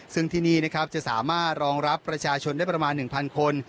ซึ่งที่นี่นะครับจะสามารถรองรับประชาชนได้ประมาณ๑๐๐คน